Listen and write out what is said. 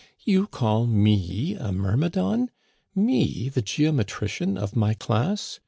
You call me a Myrmidon — me, the geometri cian of my class